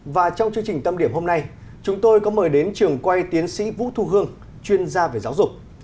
và trong chương trình tâm điểm hôm nay chúng tôi có mời đến trường quay tiến sĩ vũ thu hương chuyên gia về giáo dục